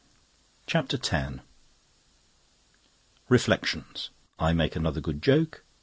CHAPTER X Reflections. I make another Good Joke.